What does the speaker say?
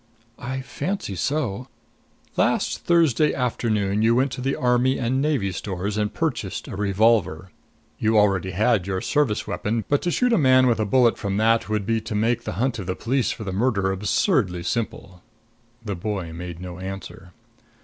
"I fancy so." "Last Thursday afternoon you went to the Army and Navy Stores and purchased a revolver. You already had your service weapon, but to shoot a man with a bullet from that would be to make the hunt of the police for the murderer absurdly simple." The boy made no answer.